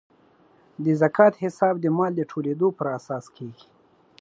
د زکات حساب د مال د ټولیدو پر اساس کیږي.